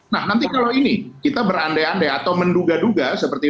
nah nanti kalau ini kita berandai andai atau menduga duga seperti